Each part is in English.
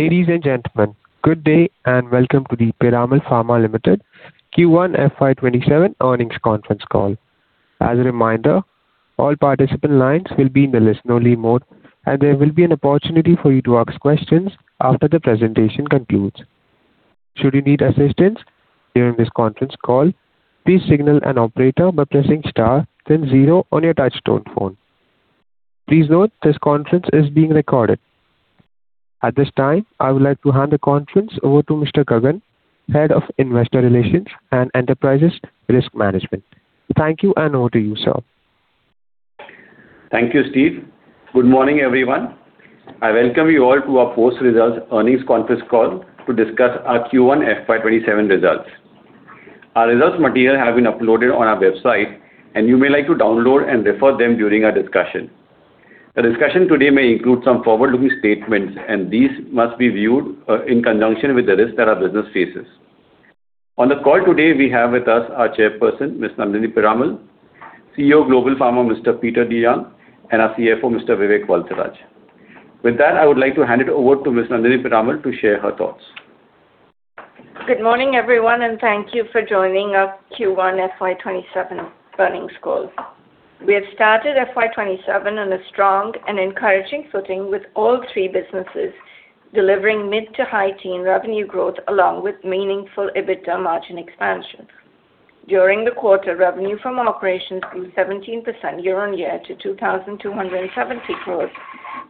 Ladies and gentlemen, good day and welcome to the Piramal Pharma Limited Q1 FY 2027 earnings conference call. As a reminder, all participant lines will be in the listen-only mode, and there will be an opportunity for you to ask questions after the presentation concludes. Should you need assistance during this conference call, please signal an operator by pressing star then zero on your touch tone phone. Please note this conference is being recorded. At this time, I would like to hand the conference over to Mr. Gagan, Head of Investor Relations and Enterprises Risk Management. Thank you, and over to you, sir. Thank you, Steve. Good morning, everyone. I welcome you all to our post-results earnings conference call to discuss our Q1 FY 2027 results. Our results material have been uploaded on our website, and you may like to download and refer them during our discussion. The discussion today may include some forward-looking statements, and these must be viewed in conjunction with the risks that our business faces. On the call today, we have with us our Chairperson, Ms. Nandini Piramal, CEO of Piramal Global Pharma, Mr. Peter DeYoung, and our CFO, Mr. Vivek Valsaraj. With that, I would like to hand it over to Ms. Nandini Piramal to share her thoughts. Good morning, everyone, and thank you for joining our Q1 FY 2027 earnings call. We have started FY 2027 on a strong and encouraging footing with all three businesses delivering mid-to-high teen revenue growth, along with meaningful EBITDA margin expansion. During the quarter, revenue from operations grew 17% year-on-year to 2,270 crore,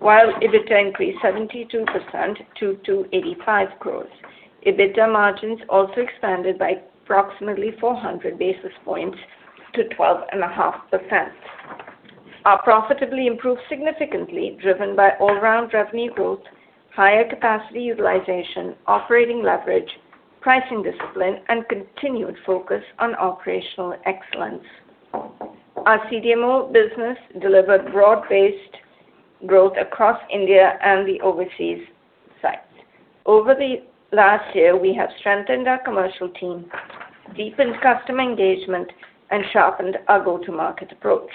while EBITDA increased 72% to 285 crore. EBITDA margins also expanded by approximately 400 basis points to 12.5%. Our profitably improved significantly, driven by all-round revenue growth, higher capacity utilization, operating leverage, pricing discipline, and continued focus on operational excellence. Our CDMO business delivered broad-based growth across India and the overseas sites. Over the last year, we have strengthened our commercial team, deepened customer engagement, and sharpened our go-to-market approach.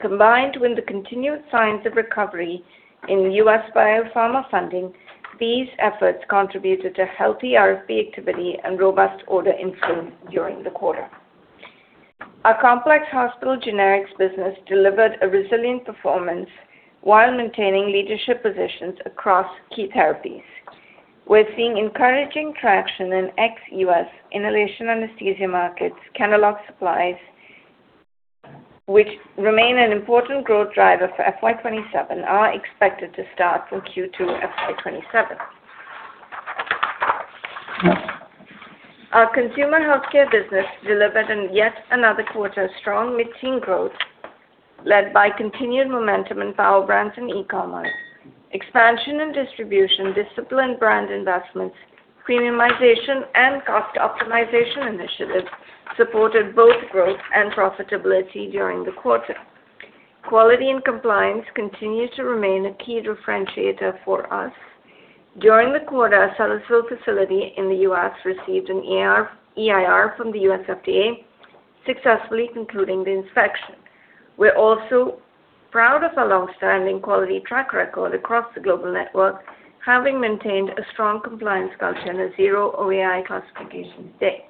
Combined with the continued signs of recovery in U.S. biopharma funding, these efforts contributed to healthy RFP activity and robust order inflow during the quarter. Our Complex Hospital Generics business delivered a resilient performance while maintaining leadership positions across key therapies. We're seeing encouraging traction in ex-U.S. inhalation anesthesia markets. Kenalog supplies, which remain an important growth driver for FY 2027, are expected to start from Q2 FY 2027. Our Consumer Healthcare business delivered in yet another quarter strong mid-teen growth led by continued momentum in power brands and e-commerce. Expansion and distribution, disciplined brand investments, premiumization, and cost optimization initiatives supported both growth and profitability during the quarter. Quality and compliance continue to remain a key differentiator for us. During the quarter, our Sellersville facility in the U.S. received an EIR from the U.S. FDA, successfully concluding the inspection. We're also proud of our long-standing quality track record across the global network, having maintained a strong compliance culture and a zero OAI classification state.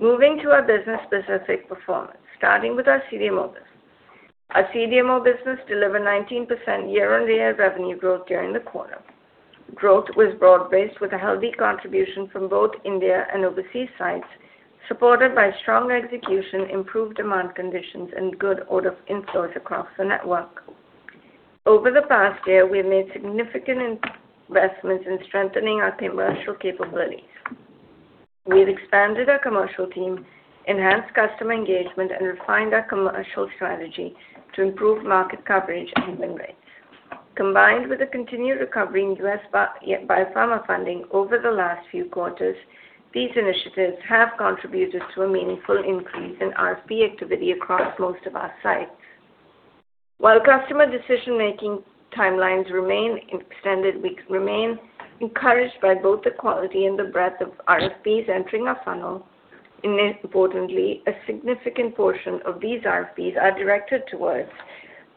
Moving to our business-specific performance, starting with our CDMO business. Our CDMO business delivered 19% year-on-year revenue growth during the quarter. Growth was broad-based with a healthy contribution from both India and overseas sites, supported by strong execution, improved demand conditions, and good order inflow across the network. Over the past year, we've made significant investments in strengthening our commercial capabilities. We've expanded our commercial team, enhanced customer engagement, and refined our commercial strategy to improve market coverage and win rates. Combined with a continued recovery in U.S. biopharma funding over the last few quarters, these initiatives have contributed to a meaningful increase in RFP activity across most of our sites. While customer decision-making timelines remain extended, we remain encouraged by both the quality and the breadth of RFPs entering our funnel. Most importantly, a significant portion of these RFPs are directed towards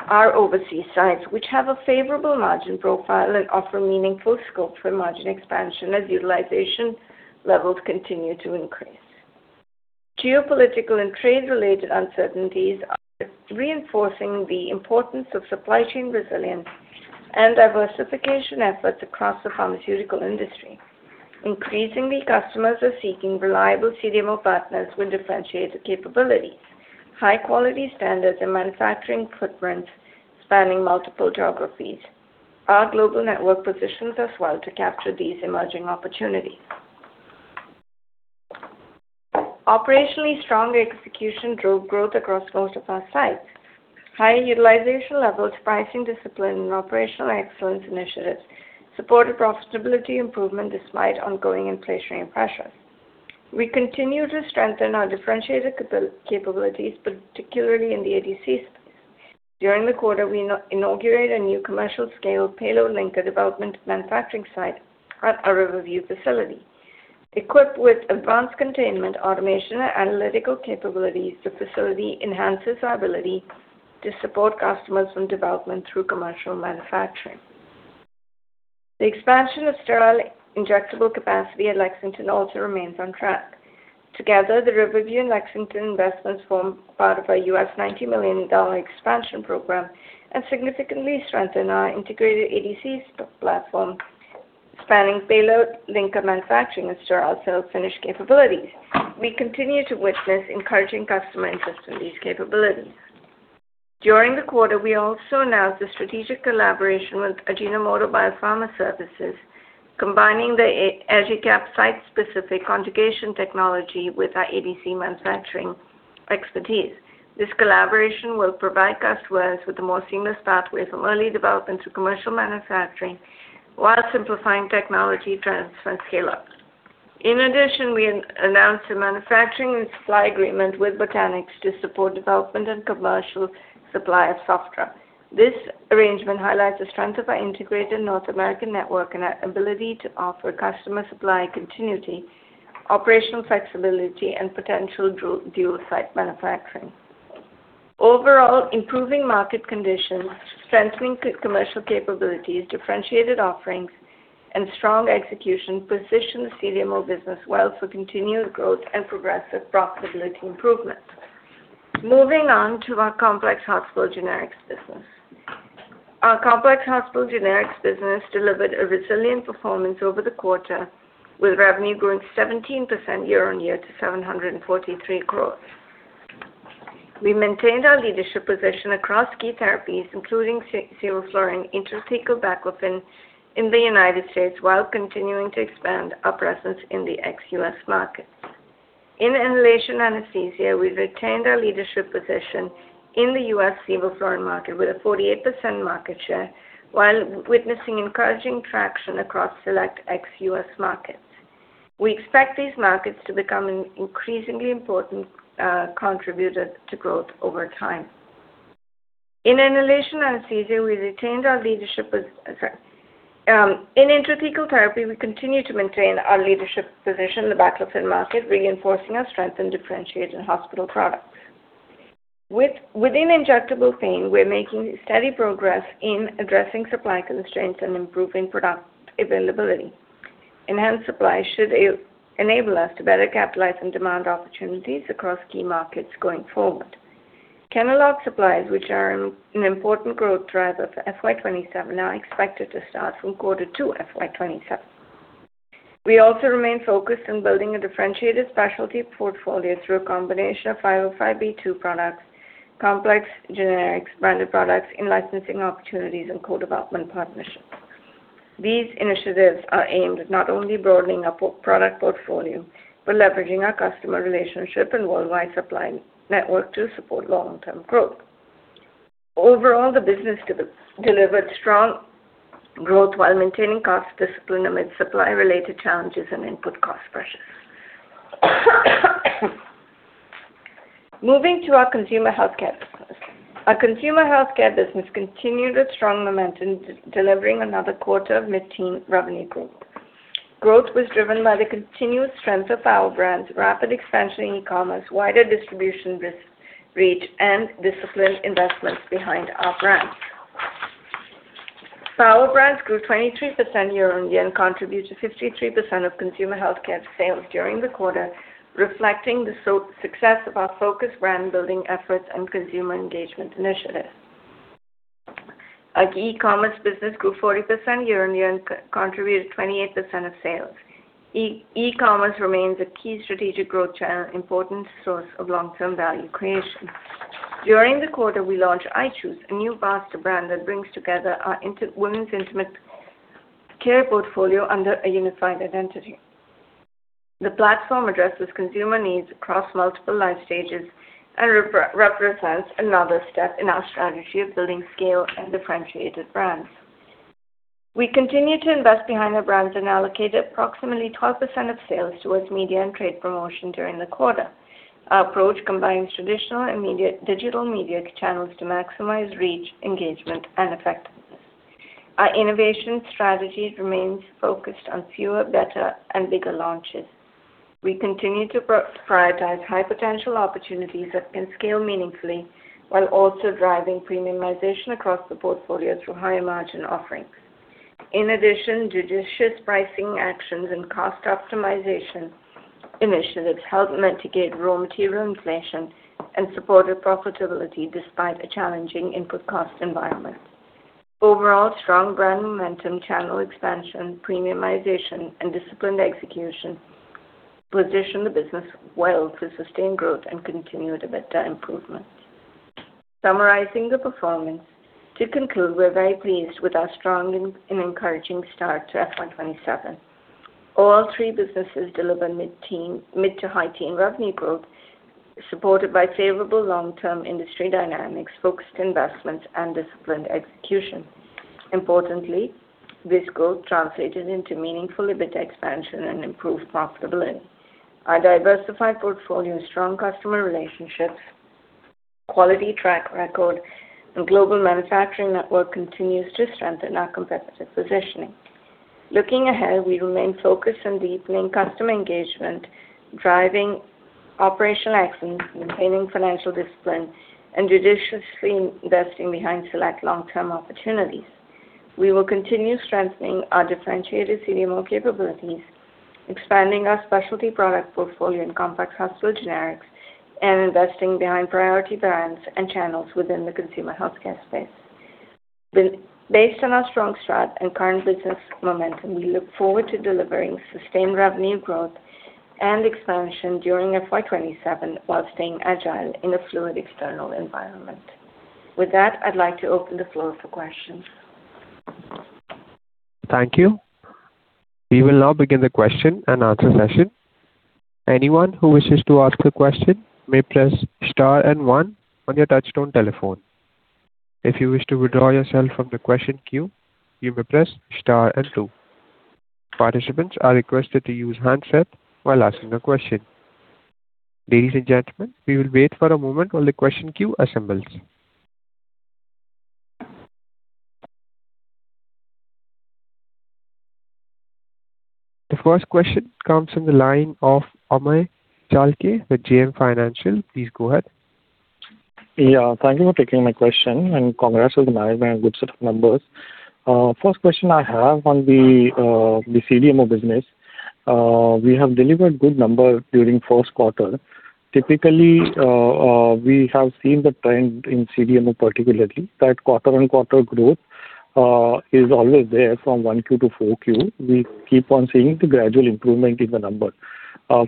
our overseas sites, which have a favorable margin profile and offer meaningful scope for margin expansion as utilization levels continue to increase. Geopolitical and trade-related uncertainties are reinforcing the importance of supply chain resilience and diversification efforts across the pharmaceutical industry. Increasingly, customers are seeking reliable CDMO partners with differentiated capabilities, high-quality standards, and manufacturing footprints spanning multiple geographies. Our global network positions us well to capture these emerging opportunities. Operationally strong execution drove growth across most of our sites. Higher utilization levels, pricing discipline, and operational excellence initiatives supported profitability improvement despite ongoing inflationary pressures. We continue to strengthen our differentiated capabilities, particularly in the ADC space. During the quarter, we inaugurated a new commercial-scale payload-linker development manufacturing site at our Riverview facility. Equipped with advanced containment automation and analytical capabilities, the facility enhances our ability to support customers from development through commercial manufacturing. The expansion of sterile injectable capacity at Lexington also remains on track. Together, the Riverview and Lexington investments form part of our U.S. $90 million expansion program and significantly strengthen our integrated ADC platform, spanning payload-linker manufacturing, and sterile filled finished capabilities. We continue to witness encouraging customer interest in these capabilities. During the quarter, we also announced a strategic collaboration with Ajinomoto Bio-Pharma Services, combining the AJICAP site-specific conjugation technology with our ADC manufacturing expertise. This collaboration will provide customers with a more seamless pathway from early development to commercial manufacturing while simplifying technology transfer and scale-up. In addition, we announced a manufacturing and supply agreement with Botanix to support development and commercial supply of Sofdra. This arrangement highlights the strength of our integrated North American network and our ability to offer customer supply continuity, operational flexibility, and potential dual-site manufacturing. Overall, improving market conditions, strengthening commercial capabilities, differentiated offerings, and strong execution position the CDMO business well for continued growth and progressive profitability improvements. Moving on to our Complex Hospital Generics business. Our Complex Hospital Generics business delivered a resilient performance over the quarter, with revenue growing 17% year-on-year to 743 crore. We maintained our leadership position across key therapies, including Sevoflurane, Intrathecal Baclofen in the U.S., while continuing to expand our presence in the ex-U.S. markets. In Inhalation Anesthesia, we've retained our leadership position in the U.S. Sevoflurane market with a 48% market share while witnessing encouraging traction across select ex-U.S. markets. We expect these markets to become an increasingly important contributor to growth over time. In Intrathecal therapy, we continue to maintain our leadership position in the Baclofen market, reinforcing our strength in differentiated hospital products. Within injectable pain, we are making steady progress in addressing supply constraints and improving product availability. Enhanced supply should enable us to better capitalize on demand opportunities across key markets going forward. Kenalog supplies, which are an important growth driver for FY 2027, are now expected to start from quarter two, FY 2027. We also remain focused on building a differentiated specialty portfolio through a combination of 505 products, complex generics, branded products, in-licensing opportunities, and co-development partnerships. These initiatives are aimed at not only broadening our product portfolio, but leveraging our customer relationship and worldwide supply network to support long-term growth. Overall, the business delivered strong growth while maintaining cost discipline amid supply-related challenges and input cost pressures. Moving to our Consumer Healthcare business. Our Consumer Healthcare business continued its strong momentum, delivering another quarter of mid-teen revenue growth. Growth was driven by the continuous strength of our brands, rapid expansion in e-commerce, wider distribution reach, and disciplined investments behind our brands. Our brands grew 23% year-on-year and contributed 53% of Consumer Healthcare sales during the quarter, reflecting the success of our focused brand-building efforts and consumer engagement initiatives. Our e-commerce business grew 40% year-on-year and contributed 28% of sales. E-commerce remains a key strategic growth channel and an important source of long-term value creation. During the quarter, we launched i-choose, a new [master] brand that brings together our women's intimate care portfolio under a unified identity. The platform addresses consumer needs across multiple life stages and represents another step in our strategy of building scale and differentiated brands. We continue to invest behind our brands and allocated approximately 12% of sales towards media and trade promotion during the quarter. Our approach combines traditional and digital media channels to maximize reach, engagement, and effectiveness. Our innovation strategy remains focused on fewer, better, and bigger launches. We continue to prioritize high-potential opportunities that can scale meaningfully while also driving premiumization across the portfolio through higher-margin offerings. In addition, judicious pricing actions and cost optimization initiatives helped mitigate raw material inflation and supported profitability despite a challenging input cost environment. Overall, strong brand momentum, channel expansion, premiumization, and disciplined execution position the business well to sustain growth and continued EBITDA improvements. Summarizing the performance, to conclude, we are very pleased with our strong and encouraging start to FY 2027. All three businesses delivered mid to high teen revenue growth, supported by favorable long-term industry dynamics, focused investments, and disciplined execution. Importantly, this growth translated into meaningful EBITDA expansion and improved profitability. Our diversified portfolio, strong customer relationships, quality track record and global manufacturing network continues to strengthen our competitive positioning. Looking ahead, we remain focused on deepening customer engagement, driving operational excellence, maintaining financial discipline, and judiciously investing behind select long-term opportunities. We will continue strengthening our differentiated CDMO capabilities, expanding our specialty product portfolio in Complex Hospital Generics, and investing behind priority brands and channels within the Consumer Healthcare space. Based on our strong strategy and current business momentum, we look forward to delivering sustained revenue growth and expansion during FY 2027 while staying agile in a fluid external environment. With that, I would like to open the floor for questions. Thank you. We will now begin the question-and-answer session. Anyone who wishes to ask a question may press star and one on your touch-tone telephone. If you wish to withdraw yourself from the question queue, you may press star and two. Participants are requested to use handset while asking a question. Ladies and gentlemen, we will wait for a moment while the question queue assembles. The first question comes from the line of Amey Chalke with JM Financial. Please go ahead. Thank you for taking my question, and congrats to the management on good set of numbers. First question I have on the CDMO business. We have delivered good numbers during first quarter. Typically, we have seen the trend in CDMO particularly, that quarter-on-quarter growth is always there from 1Q-4Q. We keep on seeing the gradual improvement in the number.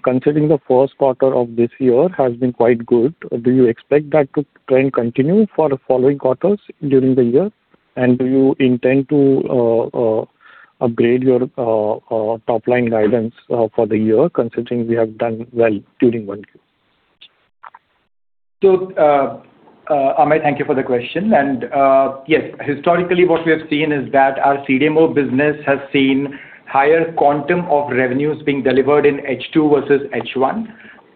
Considering the first quarter of this year has been quite good, do you expect that trend continue for the following quarters during the year? Do you intend to upgrade your top-line guidance for the year considering we have done well during 1Q? Amey, thank you for the question. Yes, historically what we have seen is that our CDMO business has seen higher quantum of revenues being delivered in H2 versus H1.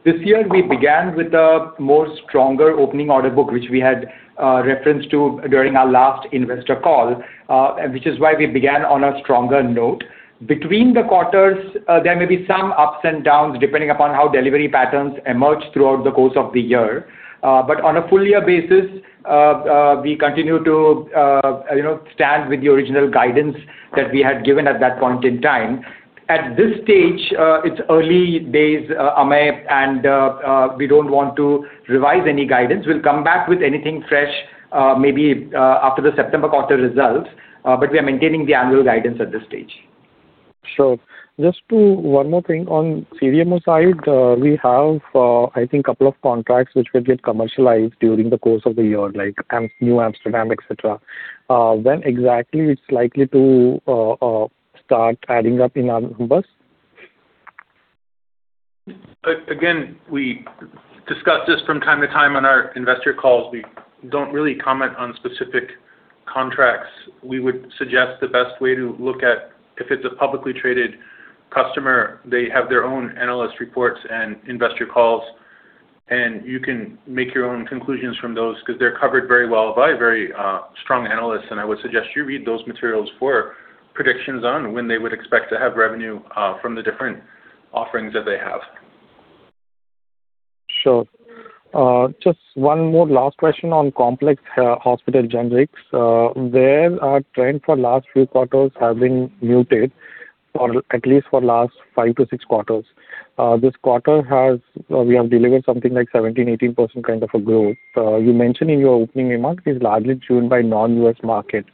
This year we began with a more stronger opening order book, which we had referenced to during our last investor call, which is why we began on a stronger note. Between the quarters, there may be some ups and downs depending upon how delivery patterns emerge throughout the course of the year. On a full year basis, we continue to stand with the original guidance that we had given at that point in time. At this stage, it's early days, Amey, and we don't want to revise any guidance. We'll come back with anything fresh, maybe, after the September quarter results. We are maintaining the annual guidance at this stage. Sure. Just one more thing. On CDMO side, we have, I think couple of contracts which will get commercialized during the course of the year, like NewAmsterdam Pharma, etc. When exactly it's likely to start adding up in our numbers? We discuss this from time to time on our investor calls. We don't really comment on specific contracts. We would suggest the best way to look at, if it's a publicly traded customer, they have their own analyst reports and investor calls, and you can make your own conclusions from those because they're covered very well by very strong analysts. I would suggest you read those materials for predictions on when they would expect to have revenue from the different offerings that they have. Sure. Just one more last question on Complex Hospital Generics. There our trend for last few quarters have been muted, or at least for last five to six quarters. This quarter we have delivered something like 17%-18% kind of a growth. You mentioned in your opening remark it is largely driven by non-U.S. market.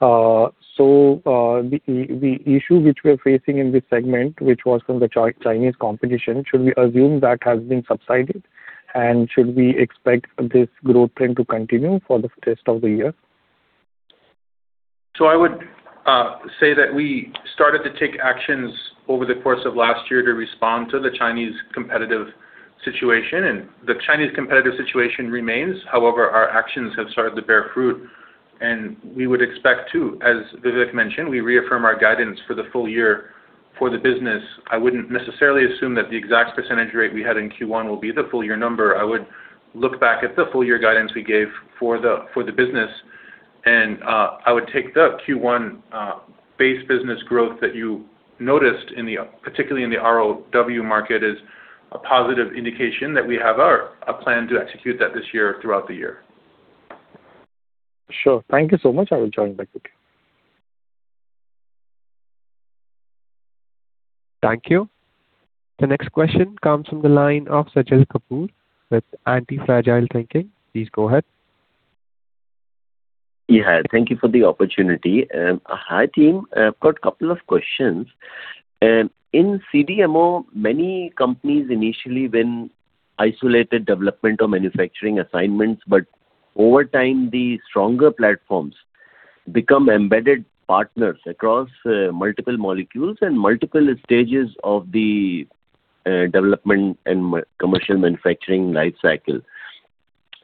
The issue which we're facing in this segment, which was from the Chinese competition, should we assume that has been subsided, should we expect this growth trend to continue for the rest of the year? I would say that we started to take actions over the course of last year to respond to the Chinese competitive situation. The Chinese competitive situation remains. However, our actions have started to bear fruit, we would expect too, as Vivek mentioned, we reaffirm our guidance for the full year for the business. I wouldn't necessarily assume that the exact percentage rate we had in Q1 will be the full year number. I would look back at the full year guidance we gave for the business, I would take the Q1 base business growth that you noticed, particularly in the RoW markets, as a positive indication that we have a plan to execute that this year throughout the year. Sure. Thank you so much. I will join back with you. Thank you. The next question comes from the line of Sajal Kapoor with Antifragile Thinking. Please go ahead. Yeah, thank you for the opportunity. Hi, team. I've got a couple of questions. In CDMO, many companies initially win isolated development or manufacturing assignments, but over time, the stronger platforms become embedded partners across multiple molecules and multiple stages of the development and commercial manufacturing life cycle.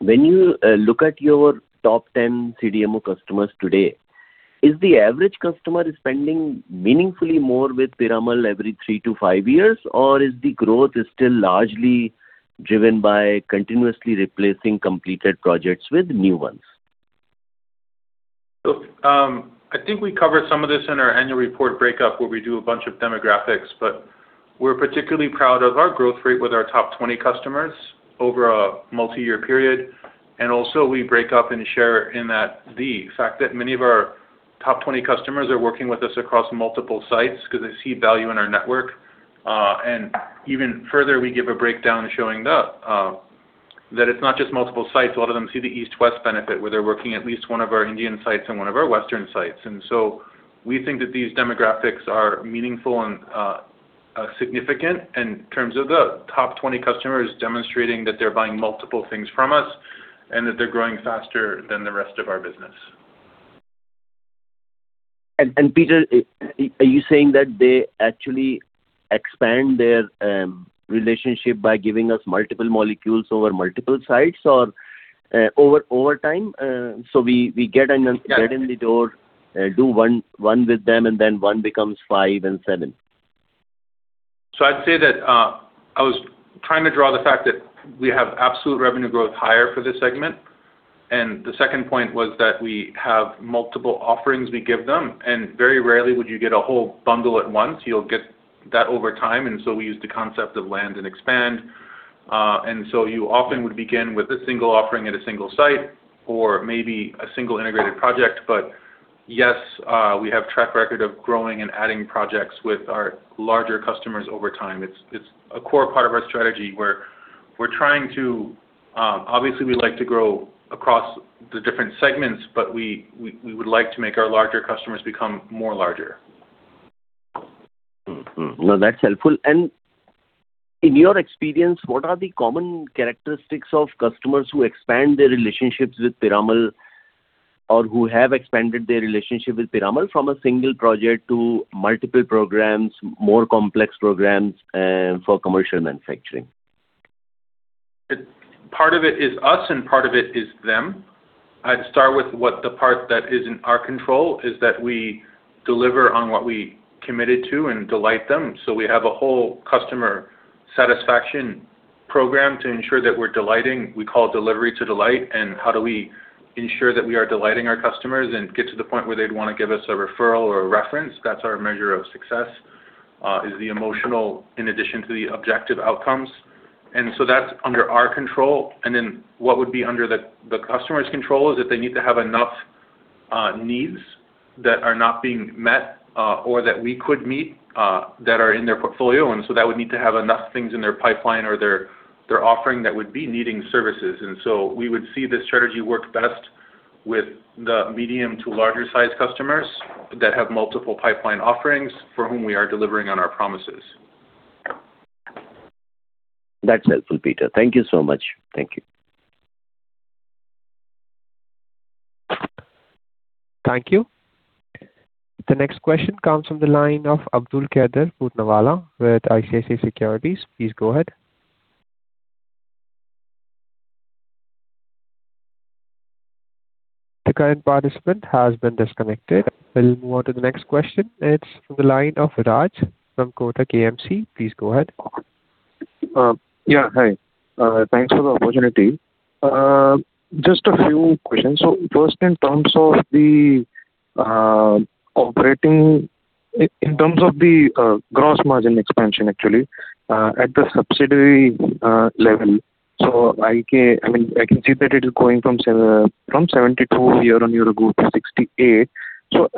When you look at your top 10 CDMO customers today, is the average customer spending meaningfully more with Piramal every three to five years, or is the growth still largely driven by continuously replacing completed projects with new ones? I think we covered some of this in our annual report breakup, where we do a bunch of demographics, but we're particularly proud of our growth rate with our top 20 customers over a multi-year period. Also we break up and share in that the fact that many of our top 20 customers are working with us across multiple sites because they see value in our network. Even further, we give a breakdown showing that it's not just multiple sites. A lot of them see the East-West benefit, where they're working at least one of our Indian sites and one of our Western sites. So we think that these demographics are meaningful and significant in terms of the top 20 customers demonstrating that they're buying multiple things from us and that they're growing faster than the rest of our business. Peter, are you saying that they actually expand their relationship by giving us multiple molecules over multiple sites or over time? We get in the door, do one with them, and then one becomes five and seven. I'd say that I was trying to draw the fact that we have absolute revenue growth higher for this segment. The second point was that we have multiple offerings we give them, and very rarely would you get a whole bundle at once. You'll get that over time, we use the concept of land and expand. You often would begin with a single offering at a single site or maybe a single integrated project. Yes, we have track record of growing and adding projects with our larger customers over time. It's a core part of our strategy where we're trying to obviously, we like to grow across the different segments, but we would like to make our larger customers become more larger. No, that's helpful. In your experience, what are the common characteristics of customers who expand their relationships with Piramal or who have expanded their relationship with Piramal from a single project to multiple programs, more complex programs, and for commercial manufacturing? Part of it is us and part of it is them. I'd start with what the part that is in our control is that we deliver on what we committed to and delight them. We have a whole customer satisfaction program to ensure that we're delighting. We call it delivery to delight, and how do we ensure that we are delighting our customers and get to the point where they'd want to give us a referral or a reference? That's our measure of success, is the emotional in addition to the objective outcomes. That's under our control. What would be under the customer's control is if they need to have enough needs that are not being met or that we could meet that are in their portfolio. That would need to have enough things in their pipeline or their offering that would be needing services. We would see this strategy work best with the medium to larger size customers that have multiple pipeline offerings for whom we are delivering on our promises. That's helpful, Peter. Thank you so much. Thank you. Thank you. The next question comes from the line of Abdulkader Puranwala with ICICI Securities. Please go ahead. The current participant has been disconnected. We'll move on to the next question. It's from the line of Raj from Kotak AMC. Please go ahead. Yeah. Hi. Thanks for the opportunity. Just a few questions. First, in terms of the gross margin expansion, actually, at the subsidiary level. I can see that it is going from 72% year-on-year growth to 68%.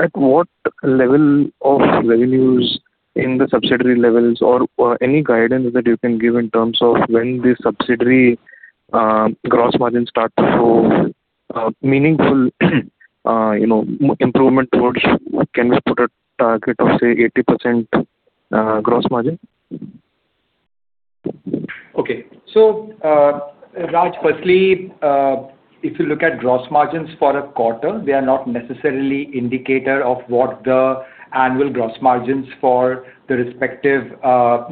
At what level of revenues in the subsidiary levels or any guidance that you can give in terms of when the subsidiary gross margin start to show meaningful improvement towards, can we put a target of, say, 80% gross margin? Okay. Raj, firstly, if you look at gross margins for a quarter, they are not necessarily indicator of what the annual gross margins for the respective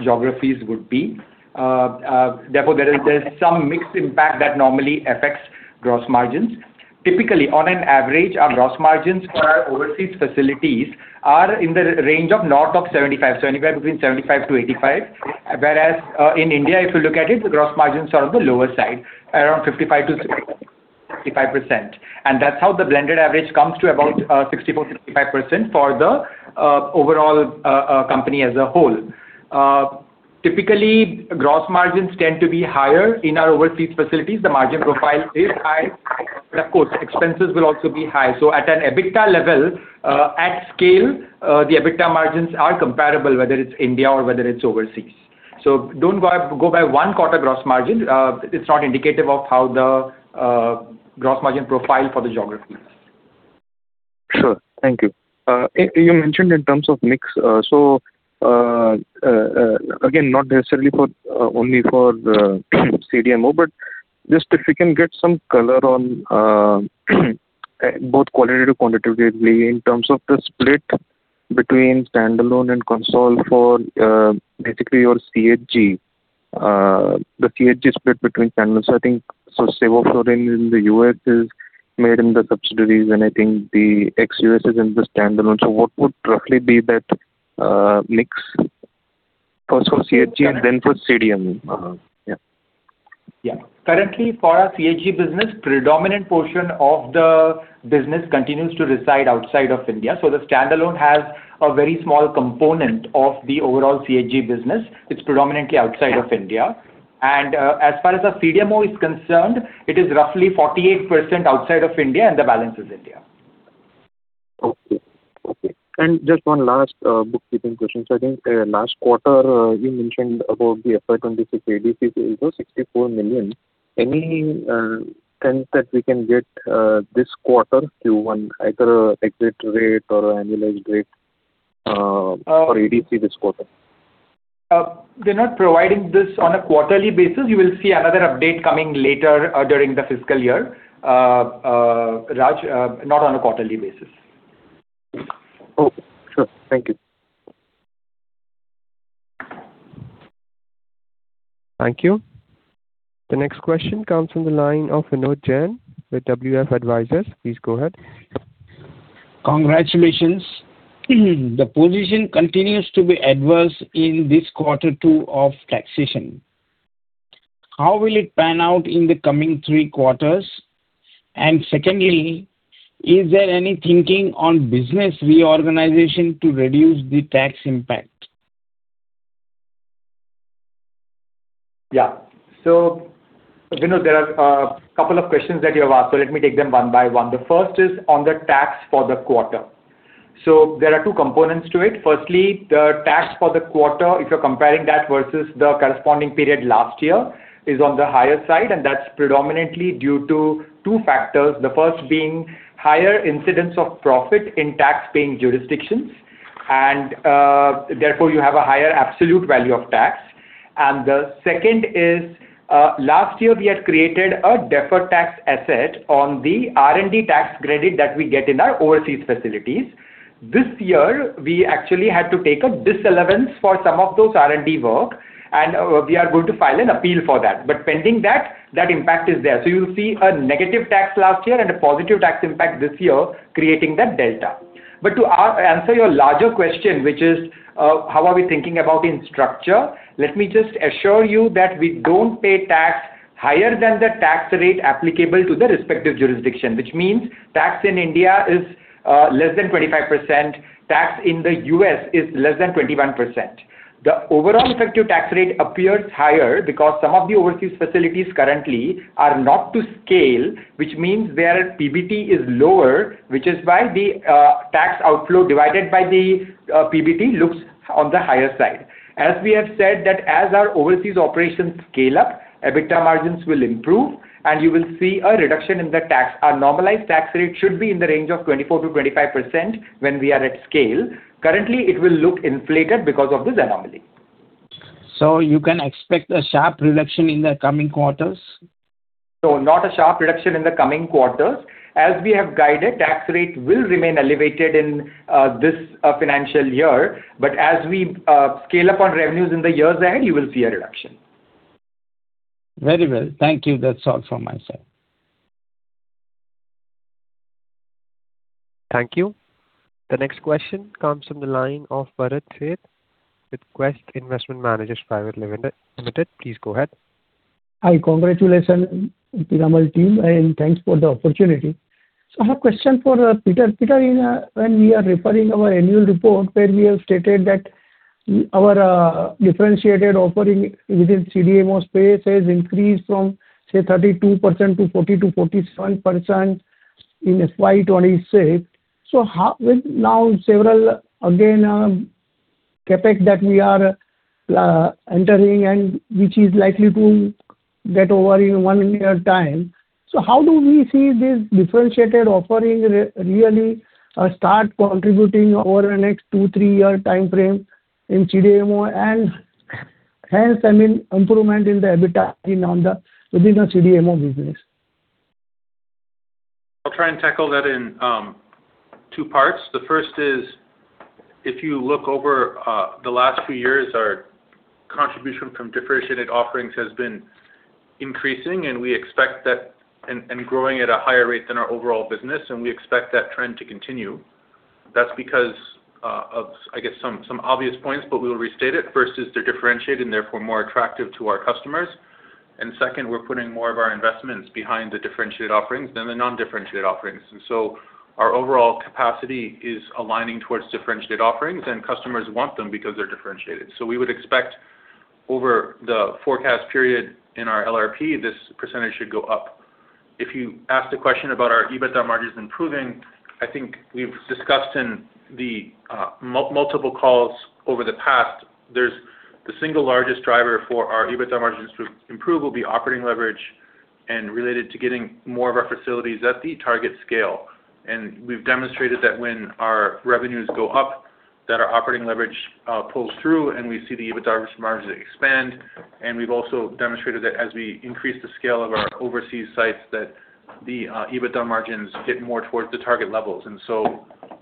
geographies would be. Therefore, there is some mixed impact that normally affects gross margins. Typically, on an average, our gross margins for our overseas facilities are in the range of north of 75%, anywhere between 75%-85%. Whereas in India, if you look at it, the gross margins are on the lower side, around 55%-65%. That's how the blended average comes to about 64%-65% for the overall company as a whole. Typically, gross margins tend to be higher in our overseas facilities. The margin profile is high, but of course, expenses will also be high. At an EBITDA level, at scale, the EBITDA margins are comparable, whether it's India or whether it's overseas. Do not go by one-quarter gross margin. It is not indicative of how the gross margin profile for the geographies. Sure. Thank you. You mentioned in terms of mix, again, not necessarily only for the CDMO, but just if we can get some color on both qualitatively, quantitatively in terms of the split between standalone and consol for basically your CHG. The CHG split between standalone. I think sevoflurane in the U.S. is made in the subsidiaries and I think the ex-U.S. is in the standalone. What would roughly be that mix, first for CHG and then for CDMO? Yeah. Currently for our CHG business, predominant portion of the business continues to reside outside of India. The standalone has a very small component of the overall CHG business. It is predominantly outside of India. As far as our CDMO is concerned, it is roughly 48% outside of India and the balance is India. Okay. Just one last bookkeeping question. I think last quarter, you mentioned about the FY 2026 ADC sales was 64 million. Any sense that we can get this quarter, Q1, either an exit rate or an annualized rate for ADC this quarter? We're not providing this on a quarterly basis. You will see another update coming later during the fiscal year, Raj. Not on a quarterly basis. Oh, sure. Thank you. Thank you. The next question comes from the line of Vinod Jain with WF Advisors. Please go ahead. Congratulations. The position continues to be adverse in this quarter two of taxation. How will it pan out in the coming three quarters? Secondly, is there any thinking on business reorganization to reduce the tax impact? Yeah. Vinod, there are a couple of questions that you have asked, let me take them one by one. The first is on the tax for the quarter. There are two components to it. Firstly, the tax for the quarter, if you're comparing that versus the corresponding period last year, is on the higher side, and that's predominantly due to two factors. The first being higher incidents of profit in tax-paying jurisdictions, and therefore, you have a higher absolute value of tax. The second is, last year we had created a deferred tax asset on the R&D tax credit that we get in our overseas facilities. This year, we actually had to take a disallowance for some of those R&D work, and we are going to file an appeal for that. Pending that impact is there. You'll see a negative tax last year and a positive tax impact this year, creating that delta. To answer your larger question, which is, how are we thinking about in structure? Let me just assure you that we don't pay tax higher than the tax rate applicable to the respective jurisdiction, which means tax in India is less than 25%, tax in the U.S. is less than 21%. The overall effective tax rate appears higher because some of the overseas facilities currently are not to scale, which means their PBT is lower, which is why the tax outflow divided by the PBT looks on the higher side. As we have said that as our overseas operations scale up, EBITDA margins will improve, and you will see a reduction in the tax. Our normalized tax rate should be in the range of 24%-25% when we are at scale. Currently, it will look inflated because of this anomaly. You can expect a sharp reduction in the coming quarters? Not a sharp reduction in the coming quarters. As we have guided, tax rate will remain elevated in this financial year, but as we scale up on revenues in the years ahead, you will see a reduction. Very well. Thank you. That's all from my side. Thank you. The next question comes from the line of Bharat Sheth with Quest Investment Advisors Private Limited. Please go ahead. Hi. Congratulations, Piramal team, and thanks for the opportunity. I have a question for Peter. Peter, when we are referring our annual report where we have stated that our differentiated offering within CDMO space has increased from, say, 32%-40%-47% in FY 2026. Now several, again, CapEx that we are entering and which is likely to get over in one year time. How do we see this differentiated offering really start contributing over the next two, three-year timeframe in CDMO, and hence, I mean, improvement in the EBITDA within the CDMO business? I'll try and tackle that in two parts. The first is, if you look over the last few years, our contribution from differentiated offerings has been increasing and growing at a higher rate than our overall business, and we expect that trend to continue. That's because of, I guess, some obvious points, but we'll restate it. First is they're differentiated, and therefore more attractive to our customers. Second, we're putting more of our investments behind the differentiated offerings than the non-differentiated offerings. Our overall capacity is aligning towards differentiated offerings, and customers want them because they're differentiated. We would expect over the forecast period in our LRP, this percentage should go up. If you asked a question about our EBITDA margins improving, I think we've discussed in the multiple calls over the past, the single largest driver for our EBITDA margins to improve will be operating leverage and related to getting more of our facilities at the target scale. We've demonstrated that when our revenues go up, that our operating leverage pulls through and we see the EBITDA margins expand. We've also demonstrated that as we increase the scale of our overseas sites, the EBITDA margins get more towards the target levels.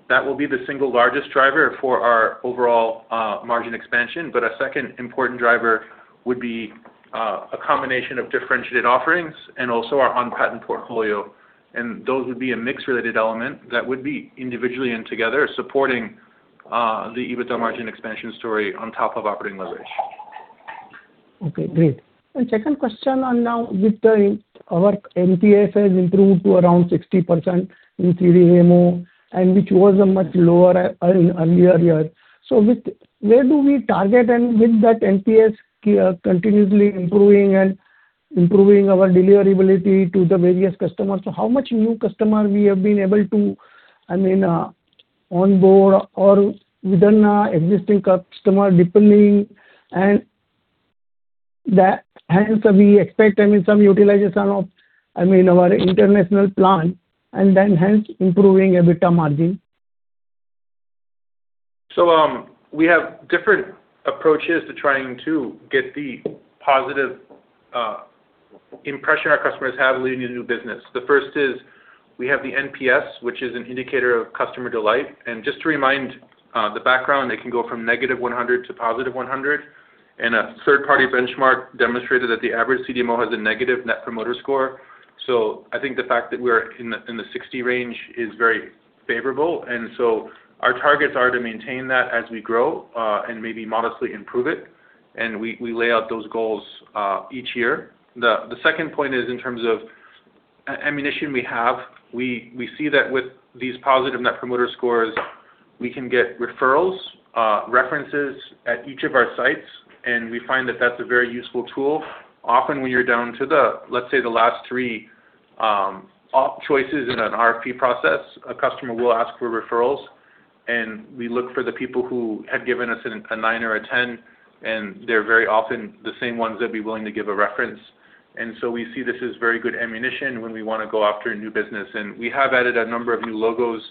That will be the single largest driver for our overall margin expansion. A second important driver would be a combination of differentiated offerings and also our on-patent portfolio, and those would be a mix-related element that would be individually and together supporting the EBITDA margin expansion story on top of operating leverage. Okay, great. Second question on now with our NPS has improved to around 60% in CDMO, and which was much lower in earlier years. Where do we target and with that NPS continuously improving and improving our deliverability to the various customers, how much new customer we have been able to onboard or within existing customer deepening and hence we expect some utilization of our international plan and then hence improving EBITDA margin? We have different approaches to trying to get the positive impression our customers have leading to new business. The first is we have the NPS, which is an indicator of customer delight. Just to remind the background, it can go from -100 to +100, and a third-party benchmark demonstrated that the average CDMO has a negative net promoter score. I think the fact that we're in the 60 range is very favorable, and so our targets are to maintain that as we grow and maybe modestly improve it, and we lay out those goals each year. The second point is in terms of ammunition we have. We see that with these positive net promoter scores, we can get referrals, references at each of our sites, and we find that that's a very useful tool. Often when you're down to, let's say, the last three choices in an RFP process, a customer will ask for referrals, and we look for the people who have given us a nine or a 10, and they're very often the same ones that'd be willing to give a reference. We see this as very good ammunition when we want to go after a new business. We have added a number of new logos,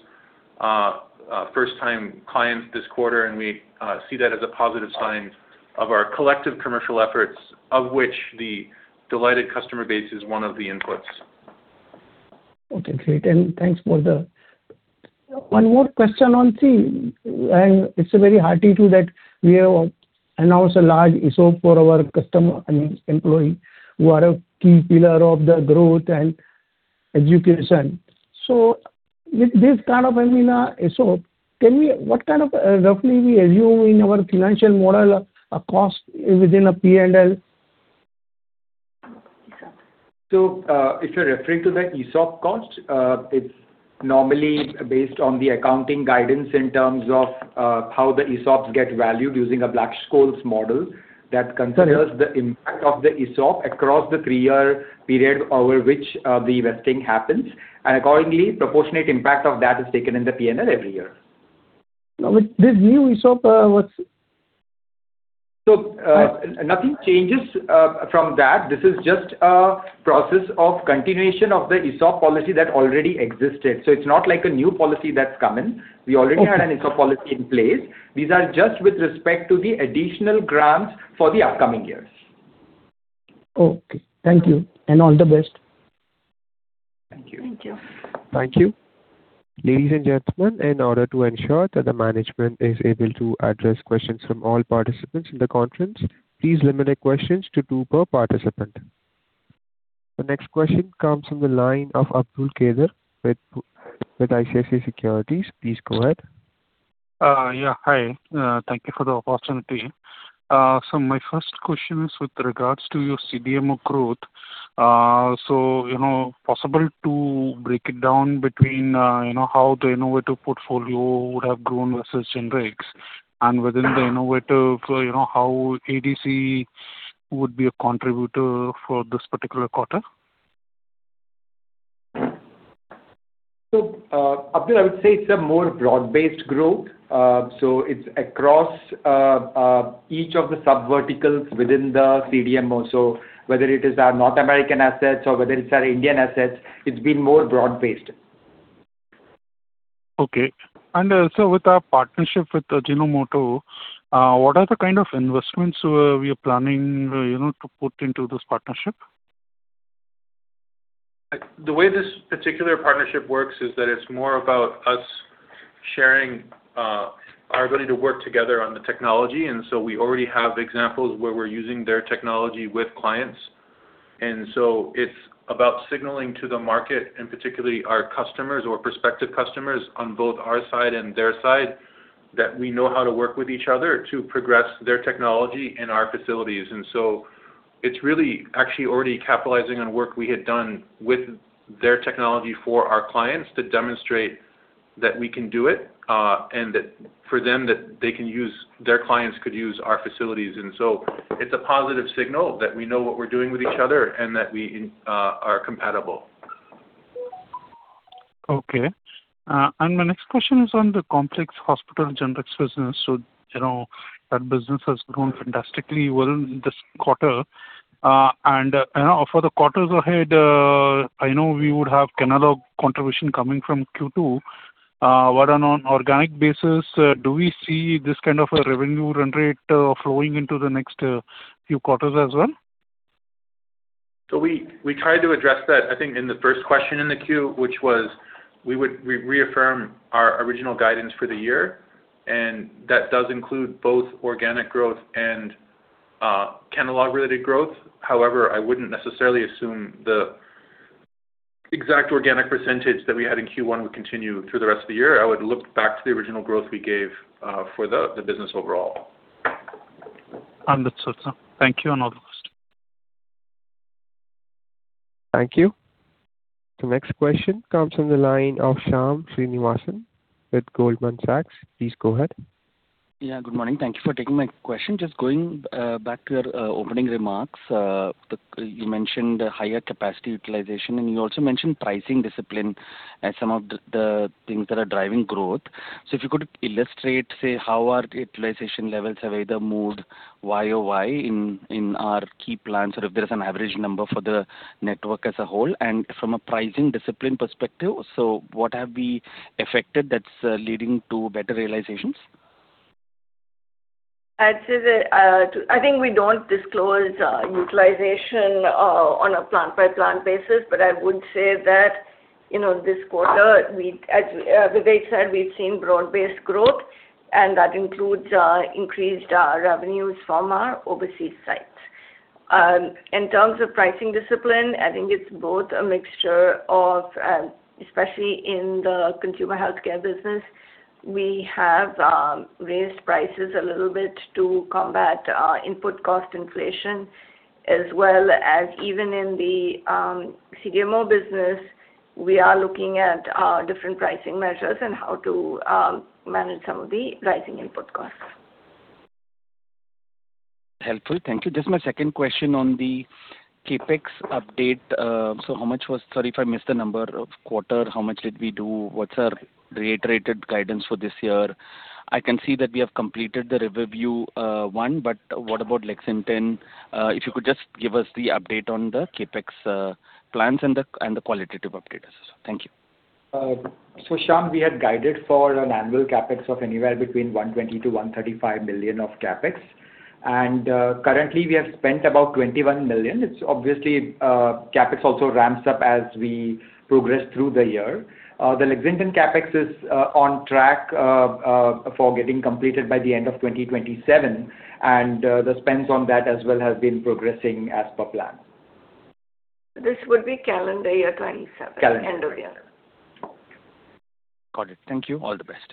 first-time clients this quarter, and we see that as a positive sign of our collective commercial efforts, of which the delighted customer base is one of the inputs. Okay, great. Thanks for that. One more question on team, and it's a very hot issue that we have announced a large ESOP for our customer and employee, who are a key pillar of the growth and education. With this kind of ESOP, what kind of roughly we assume in our financial model, cost is within a P&L? If you're referring to the ESOP cost, it's normally based on the accounting guidance in terms of how the ESOPs get valued using a Black-Scholes model that considers the impact of the ESOP across the three-year period over which the vesting happens, and accordingly, proportionate impact of that is taken in the P&L every year. Now, with this new ESOP, what's? Nothing changes from that. This is just a process of continuation of the ESOP policy that already existed. It's not like a new policy that's come in. We already had an ESOP policy in place. These are just with respect to the additional grants for the upcoming years. Okay. Thank you, and all the best. Thank you. Thank you. Thank you. Ladies and gentlemen, in order to ensure that the management is able to address questions from all participants in the conference, please limit questions to two per participant. The next question comes from the line of Abdulkader with ICICI Securities. Please go ahead. Yeah. Hi. Thank you for the opportunity. My first question is with regards to your CDMO growth. Possible to break it down between how the innovative portfolio would have grown versus generics, and within the innovative, how ADC would be a contributor for this particular quarter? Abdul, I would say it's a more broad-based growth. It's across each of the sub-verticals within the CDMO. Whether it is our North American assets or whether it's our Indian assets, it's been more broad-based. Okay. Also with our partnership with Ajinomoto, what are the kind of investments we are planning to put into this partnership? The way this particular partnership works is that it's more about us sharing our ability to work together on the technology. We already have examples where we're using their technology with clients. It's about signaling to the market, and particularly our customers or prospective customers on both our side and their side, that we know how to work with each other to progress their technology in our facilities. It's really actually already capitalizing on work we had done with their technology for our clients to demonstrate that we can do it, and that for them, that their clients could use our facilities. It's a positive signal that we know what we're doing with each other and that we are compatible. Okay. My next question is on the Complex Hospital Generics business. That business has grown fantastically well this quarter. For the quarters ahead, I know we would have another contribution coming from Q2. On an organic basis, do we see this kind of a revenue run rate flowing into the next few quarters as well? We tried to address that, I think, in the first question in the queue, which was we would reaffirm our original guidance for the year. That does include both organic growth and Kenalog-related growth. However, I wouldn't necessarily assume the exact organic percentage that we had in Q1 would continue through the rest of the year. I would look back to the original growth we gave for the business overall. Understood, sir. Thank you. All the best. Thank you. The next question comes from the line of Shyam Srinivasan with Goldman Sachs. Please go ahead. Yeah, good morning. Thank you for taking my question. Just going back to your opening remarks, you mentioned higher capacity utilization, and you also mentioned pricing discipline as some of the things that are driving growth. If you could illustrate, say, how utilization levels have either moved YoY in our key plants, or if there is an average number for the network as a whole? From a pricing discipline perspective, what have we affected that's leading to better realizations? I'd say that I think we don't disclose utilization on a plant-by-plant basis, but I would say that, this quarter, as Vivek said, we've seen broad-based growth, and that includes increased revenues from our overseas sites. In terms of pricing discipline, I think it's both a mixture of, especially in the Consumer Healthcare business, we have raised prices a little bit to combat input cost inflation, as well as even in the CDMO business, we are looking at different pricing measures and how to manage some of the rising input costs. Helpful. Thank you. Just my second question on the CapEx update. How much was Sorry if I missed the number of quarter, how much did we do? What's our reiterated guidance for this year? I can see that we have completed the Riverview one, but what about Lexington? If you could just give us the update on the CapEx plans and the qualitative updates. Thank you. Shyam, we had guided for an annual CapEx of anywhere between 120 million-135 million of CapEx. Currently we have spent about 21 million. Obviously, CapEx also ramps up as we progress through the year. The Lexington CapEx is on track for getting completed by the end of 2027, and the spends on that as well have been progressing as per plan. This would be calendar year 2027. Calendar year. End of year. Got it. Thank you. All the best.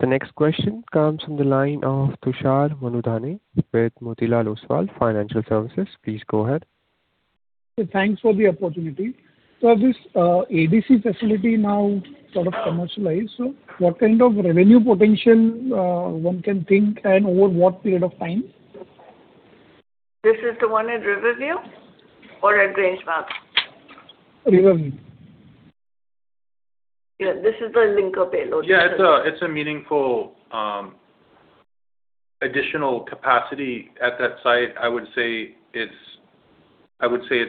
The next question comes from the line of Tushar Manudhane with Motilal Oswal Financial Services. Please go ahead. Thanks for the opportunity. This ADC facility now sort of commercialized, so what kind of revenue potential one can think and over what period of time? This is the one at Riverview or at Grangemouth? Riverview. Yeah, this is the linker payload. Yeah, it's a meaningful additional capacity at that site. I would say it's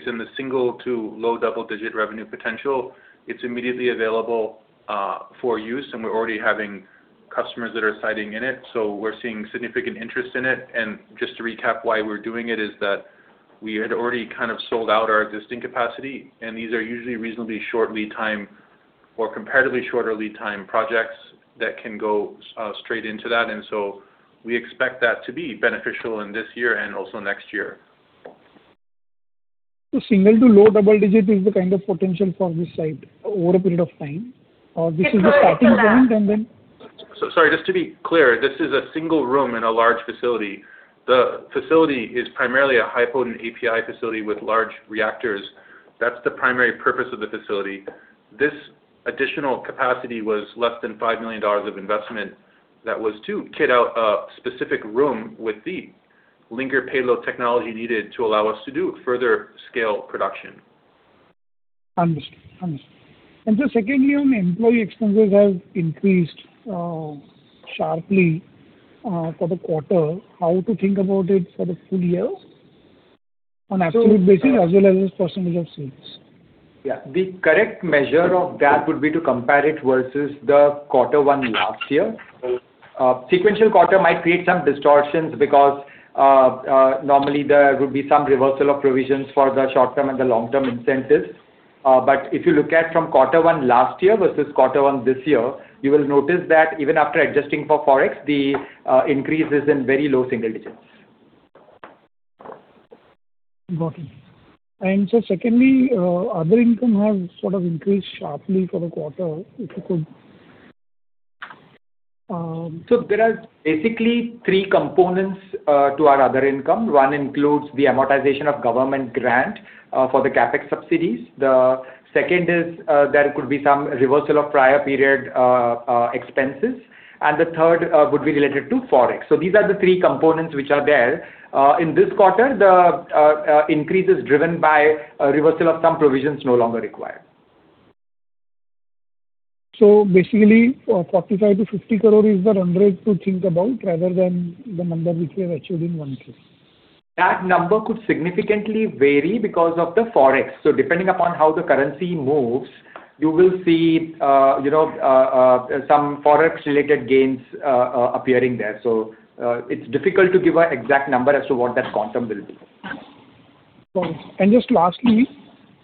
in the single to low double-digit revenue potential. It's immediately available for use, and we're already having customers that are siting in it, so we're seeing significant interest in it. Just to recap why we're doing it, is that we had already kind of sold out our existing capacity, and these are usually reasonably short lead time or comparatively shorter lead time projects that can go straight into that. So we expect that to be beneficial in this year and also next year. Single to low double digit is the kind of potential for this site over a period of time? Or this is the starting point. Sorry, just to be clear, this is a single room in a large facility. The facility is primarily a high potent API facility with large reactors. That's the primary purpose of the facility. This additional capacity was less than $5 million of investment that was to kit out a specific room with the linker payload technology needed to allow us to do further scale production. Understood. Secondly, on employee expenses have increased sharply for the quarter. How to think about it for the full year on absolute basis as well as percentage of sales? Yeah. The correct measure of that would be to compare it versus the quarter one last year. Sequential quarter might create some distortions because, normally there would be some reversal of provisions for the short-term and the long-term incentives. But if you look at from quarter one last year versus quarter one this year, you will notice that even after adjusting for Forex, the increase is in very low single digits. Got it. Secondly, other income has sort of increased sharply for the quarter, if you could. There are basically three components to our other income. One includes the amortization of government grant for the CapEx subsidies. The second is, there could be some reversal of prior period expenses. The third would be related to Forex. These are the three components which are there. In this quarter, the increase is driven by a reversal of some provisions no longer required. Basically, 45 crore-50 crore is the run rate to think about rather than the number which we have achieved in Q1. That number could significantly vary because of the forex. Depending upon how the currency moves, you will see some forex related gains appearing there. It's difficult to give an exact number as to what that quantum will be. Just lastly,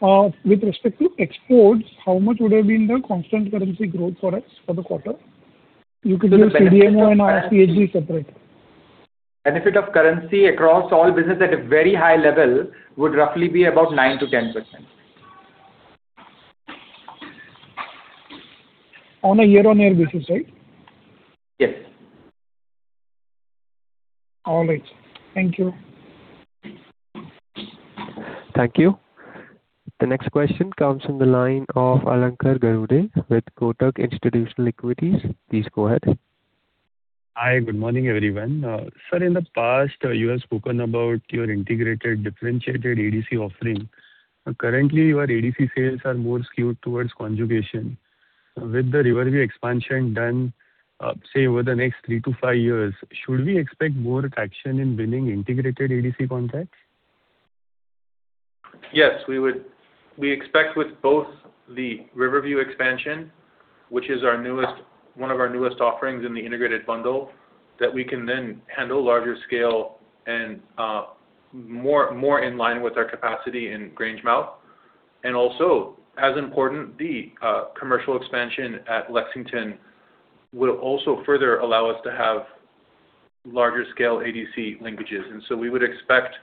with respect to exports, how much would have been the constant currency growth for us for the quarter? You could do CDMO and CHG separate. Benefit of currency across all business at a very high level would roughly be about 9%-10%. On a year-on-year basis, right? Yes. All right. Thank you. Thank you. The next question comes from the line of Alankar Garude with Kotak Institutional Equities. Please go ahead. Hi, good morning, everyone. Sir, in the past, you have spoken about your integrated differentiated ADC offering. Currently, your ADC sales are more skewed towards conjugation. With the Riverview expansion done, say, over the next three to five years, should we expect more traction in winning integrated ADC contracts? Yes. We expect with both the Riverview expansion, which is one of our newest offerings in the integrated bundle, that we can then handle larger scale and more in line with our capacity in Grangemouth. Also, as important, the commercial expansion at Lexington will also further allow us to have larger scale ADC linkages. We would expect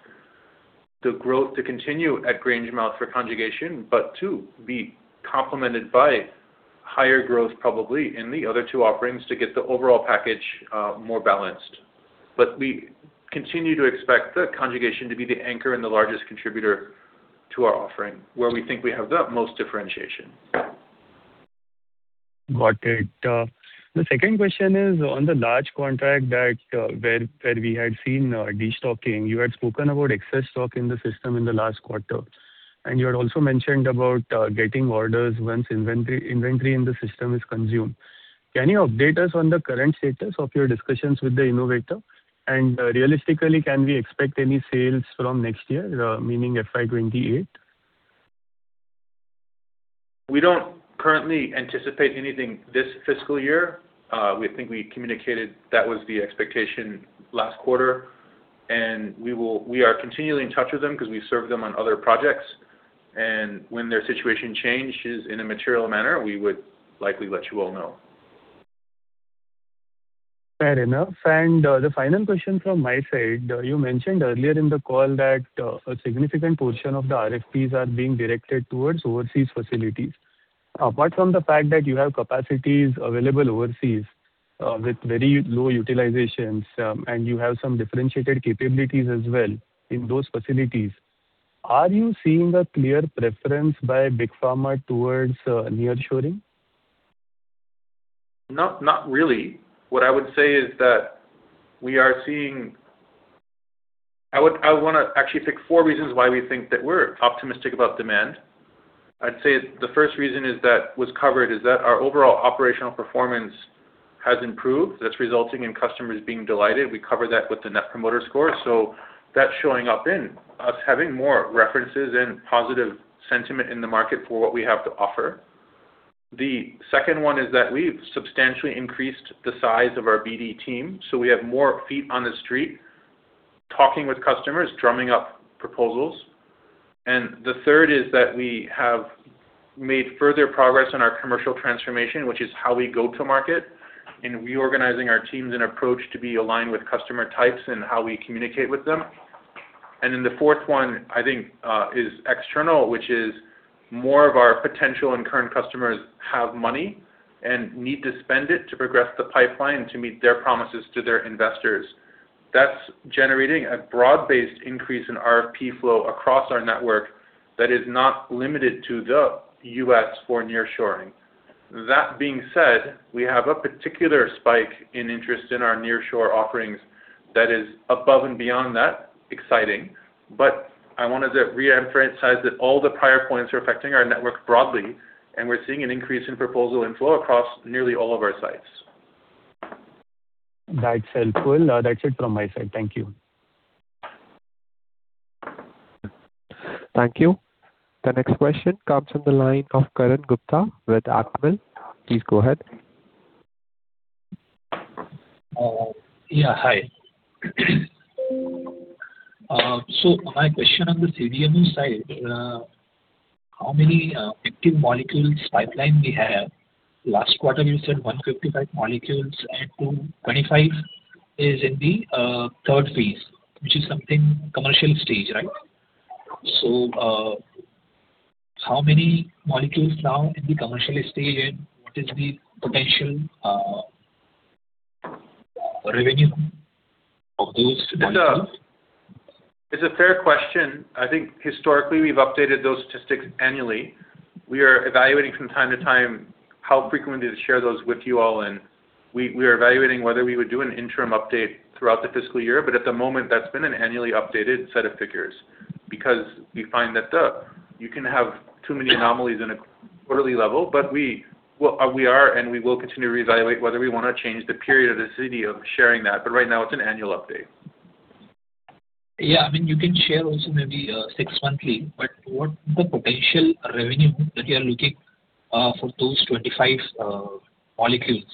the growth to continue at Grangemouth for conjugation, but too, be complemented by higher growth, probably in the other two offerings to get the overall package more balanced. We continue to expect the conjugation to be the anchor and the largest contributor to our offering, where we think we have the most differentiation. Got it. The second question is on the large contract where we had seen destocking. You had spoken about excess stock in the system in the last quarter, and you had also mentioned about getting orders once inventory in the system is consumed. Can you update us on the current status of your discussions with the innovator? Realistically, can we expect any sales from next year, meaning FY 2028? We don't currently anticipate anything this fiscal year. We think we communicated that was the expectation last quarter. We are continually in touch with them because we serve them on other projects, and when their situation changes in a material manner, we would likely let you all know. Fair enough. The final question from my side, you mentioned earlier in the call that a significant portion of the RFPs are being directed towards overseas facilities. Apart from the fact that you have capacities available overseas with very low utilizations and you have some differentiated capabilities as well in those facilities, are you seeing a clear preference by big pharma towards nearshoring? Not really. What I would say is that I want to actually pick four reasons why we think that we're optimistic about demand. I'd say the first reason was covered is that our overall operational performance has improved. That's resulting in customers being delighted. We cover that with the net promoter score. That's showing up in us having more references and positive sentiment in the market for what we have to offer. The second one is that we've substantially increased the size of our BD team, so we have more feet on the street talking with customers, drumming up proposals. The third is that we have made further progress on our commercial transformation, which is how we go to market and reorganizing our teams and approach to be aligned with customer types and how we communicate with them. The fourth one, I think, is external, which is more of our potential and current customers have money and need to spend it to progress the pipeline to meet their promises to their investors. That's generating a broad-based increase in RFP flow across our network that is not limited to the U.S. for nearshoring. That being said, we have a particular spike in interest in our nearshore offerings that is above and beyond that, exciting. I wanted to re-emphasize that all the prior points are affecting our network broadly, and we're seeing an increase in proposal inflow across nearly all of our sites. That's helpful. That's it from my side. Thank you. Thank you. The next question comes from the line of Karan Gupta with ACMIIL. Please go ahead. Yeah, hi. My question on the CDMO side, how many active molecules pipeline we have? Last quarter, you said 155 molecules and 25 is in the third phase, which is something commercial stage, right? How many molecules now in the commercial stage, and what is the potential revenue of those molecules? It's a fair question. I think historically, we've updated those statistics annually. We are evaluating from time to time how frequently to share those with you all. We are evaluating whether we would do an interim update throughout the fiscal year. At the moment, that's been an annually updated set of figures because we find that you can have too many anomalies in a quarterly level. We are and we will continue to reevaluate whether we want to change the period or the periodicity of sharing that. Right now, it's an annual update. Yeah. You can share also maybe six-monthly. What the potential revenue that you are looking for those 25 molecules.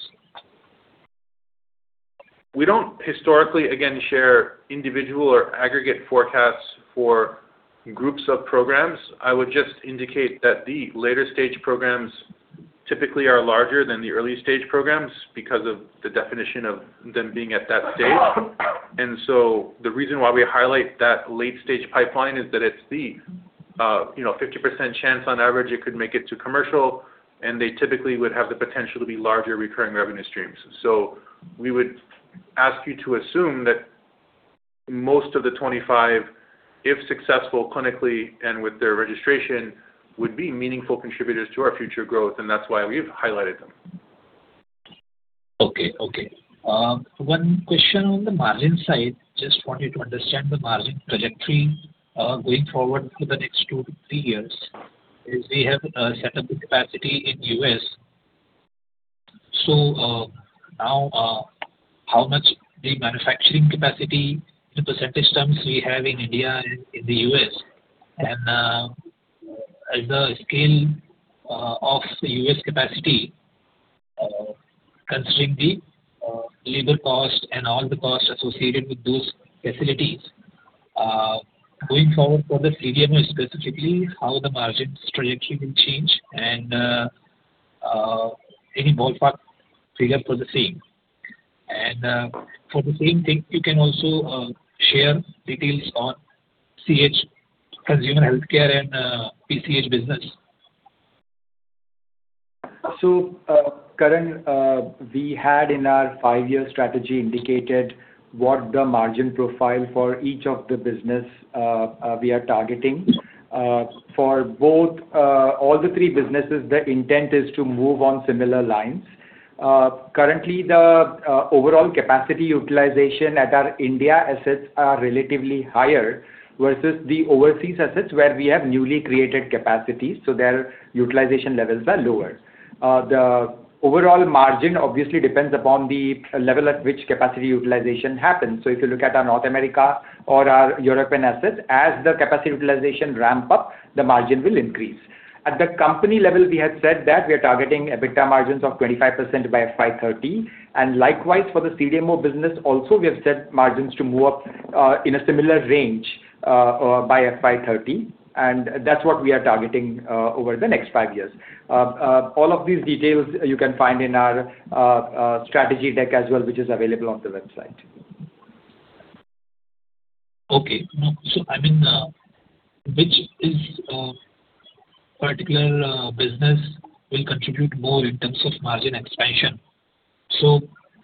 We don't historically, again, share individual or aggregate forecasts for groups of programs. I would just indicate that the later stage programs typically are larger than the early stage programs because of the definition of them being at that stage. The reason why we highlight that late stage pipeline is that it's the 50% chance on average it could make it to commercial, and they typically would have the potential to be larger recurring revenue streams. We would ask you to assume that most of the 25, if successful clinically and with their registration, would be meaningful contributors to our future growth, and that's why we've highlighted them. Okay. One question on the margin side. Just want you to understand the margin trajectory going forward for the next two to three years. We have set up the capacity in U.S. Now, how much the manufacturing capacity in percentage terms we have in India and in the U.S.? As the scale of the U.S. capacity, considering the labor cost and all the costs associated with those facilities, going forward for the CDMO specifically, how the margin trajectory will change and any ballpark figure for the same? For the same thing, you can also share details on CH, Consumer Healthcare and PCH business. Karan, we had in our five-year strategy indicated what the margin profile for each of the business we are targeting. For all the three businesses, the intent is to move on similar lines. Currently, the overall capacity utilization at our India assets are relatively higher versus the overseas assets where we have newly created capacity, their utilization levels are lower. The overall margin obviously depends upon the level at which capacity utilization happens. If you look at our North America or our European assets, as the capacity utilization ramp up, the margin will increase. At the company level, we had said that we are targeting EBITDA margins of 25% by FY 2030, likewise for the CDMO business also, we have set margins to move up in a similar range by FY 2030. That's what we are targeting over the next five years. All of these details you can find in our strategy deck as well, which is available on the website. Okay. Which particular business will contribute more in terms of margin expansion?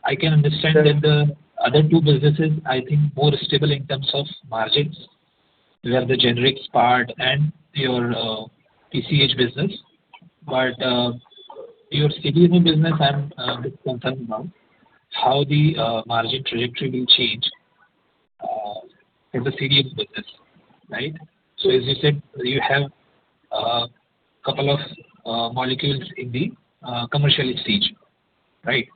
I can understand that the other two businesses, I think more stable in terms of margins. You have the generics part and your PCH business. Your CDMO business, I'm a bit concerned now how the margin trajectory will change in the CDMO business. Right? As you said, you have a couple of molecules in the commercial stage. Right?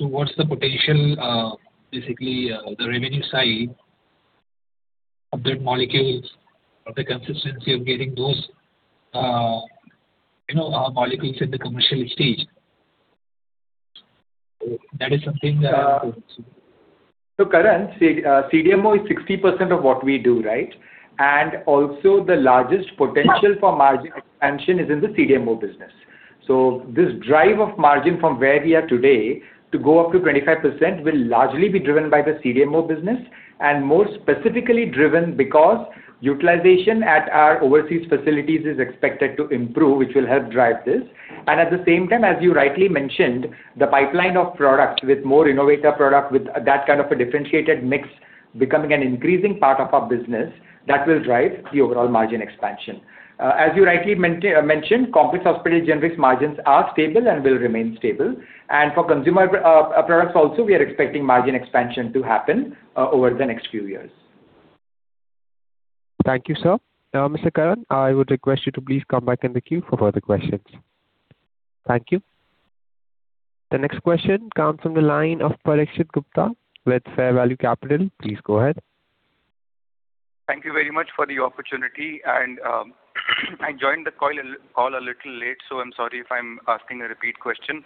What's the potential, basically, the revenue side of the molecules, of the consistency of getting those molecules in the commercial stage? That is something that I'm concerned. Karan, CDMO is 60% of what we do, right? The largest potential for margin expansion is in the CDMO business. This drive of margin from where we are today to go up to 25% will largely be driven by the CDMO business, and more specifically driven because utilization at our overseas facilities is expected to improve, which will help drive this. As you rightly mentioned, the pipeline of products with more innovative product with that kind of a differentiated mix becoming an increasing part of our business, that will drive the overall margin expansion. As you rightly mentioned, Complex Hospital Generics margins are stable and will remain stable. For consumer products also, we are expecting margin expansion to happen over the next few years. Thank you, sir. Mr. Karan, I would request you to please come back in the queue for further questions. Thank you. The next question comes from the line of Parikshit Gupta with Fair Value Capital. Please go ahead. Thank you very much for the opportunity. I joined the call a little late, so I'm sorry if I'm asking a repeat question.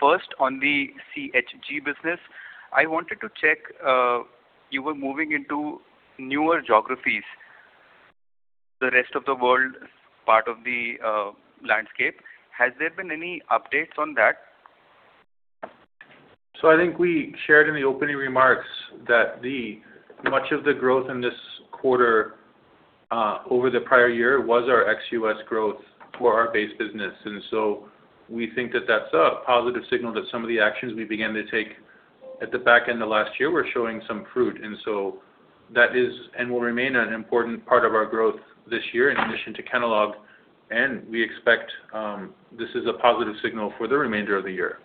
First, on the CHG business, I wanted to check, you were moving into newer geographies, the rest of the world part of the landscape. Has there been any updates on that? I think we shared in the opening remarks that much of the growth in this quarter over the prior year was our ex-U.S. growth for our base business. We think that that's a positive signal that some of the actions we began to take at the back end of last year, we're showing some fruit. That is and will remain an important part of our growth this year in addition to Kenalog, and we expect this is a positive signal for the remainder of the year.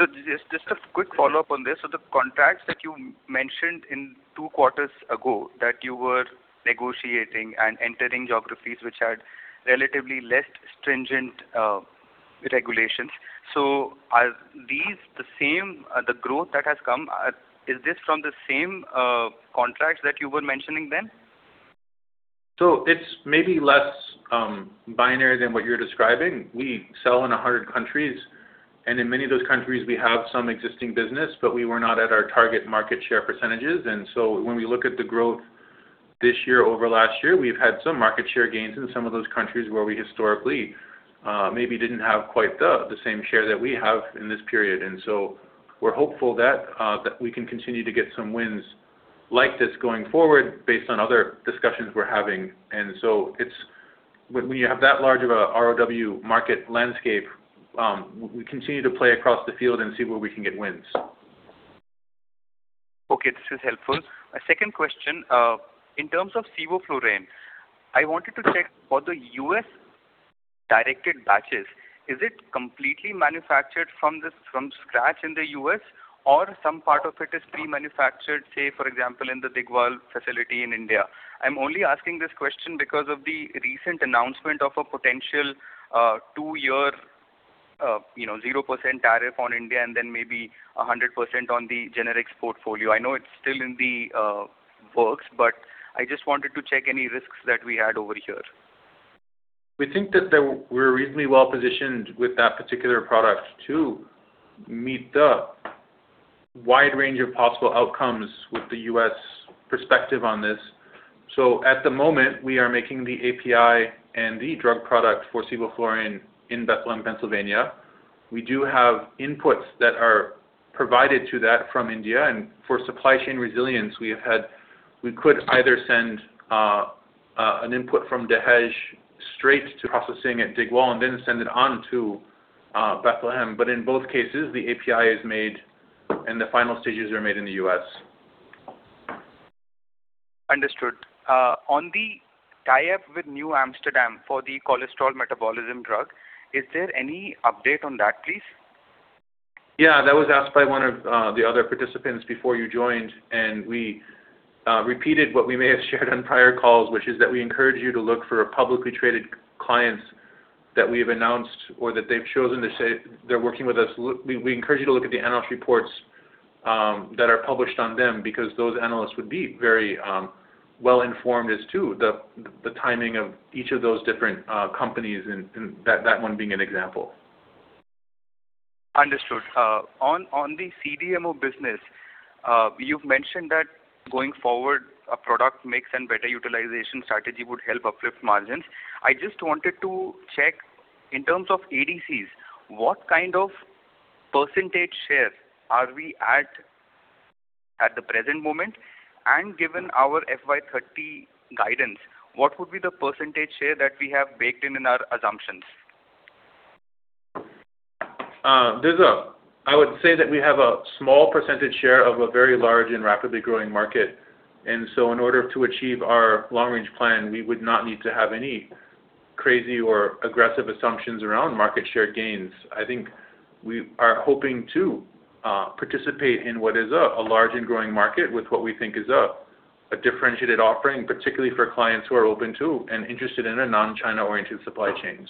Just a quick follow-up on this. The contracts that you mentioned in two quarters ago that you were negotiating and entering geographies which had relatively less stringent regulations. Are these the growth that has come, is this from the same contracts that you were mentioning then? It's maybe less binary than what you're describing. We sell in 100 countries, and in many of those countries we have some existing business, but we were not at our target market share percentage. When we look at the growth this year over last year, we've had some market share gains in some of those countries where we historically maybe didn't have quite the same share that we have in this period. We're hopeful that we can continue to get some wins like this going forward based on other discussions we're having. When you have that large of a RoW market landscape, we continue to play across the field and see where we can get wins. Okay. This is helpful. A second question, in terms of sevoflurane, I wanted to check for the U.S.-directed batches, is it completely manufactured from scratch in the U.S. or some part of it is pre-manufactured, say, for example, in the Digwal facility in India? I'm only asking this question because of the recent announcement of a potential two-year 0% tariff on India and then maybe 100% on the generics portfolio. I know it's still in the works, but I just wanted to check any risks that we had over here. We think that we're reasonably well positioned with that particular product to meet the wide range of possible outcomes with the U.S. perspective on this. At the moment, we are making the API and the drug product for Sevoflurane in Bethlehem, Pennsylvania. We do have inputs that are provided to that from India, and for supply chain resilience, we could either send an input from Dahej straight to processing at Digwal and then send it on to Bethlehem. In both cases, the API is made and the final stages are made in the U.S. Understood. On the tie-up with NewAmsterdam for the cholesterol metabolism drug, is there any update on that, please? That was asked by one of the other participants before you joined, and we repeated what we may have shared on prior calls, which is that we encourage you to look for publicly traded clients that we've announced or that they've chosen to say they're working with us. We encourage you to look at the analyst reports that are published on them because those analysts would be very well informed as to the timing of each of those different companies and that one being an example. Understood. On the CDMO business, you've mentioned that going forward, a product mix and better utilization strategy would help uplift margins. I just wanted to check in terms of ADCs, what kind of percentage share are we at the present moment, and given our FY 2030 guidance, what would be the percentage share that we have baked in in our assumptions? I would say that we have a small percentage share of a very large and rapidly growing market. In order to achieve our long-range plan, we would not need to have any crazy or aggressive assumptions around market share gains. I think we are hoping to participate in what is a large and growing market with what we think is a differentiated offering, particularly for clients who are open to and interested in a non-China oriented supply chain.